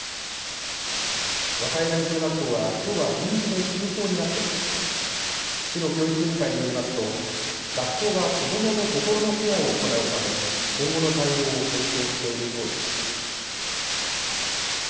若柳小学校はきょうは臨時で休校になっていて市の教育委員会によりますと学校は子どもの心のケアを行うため今後の対応を検討しているということです。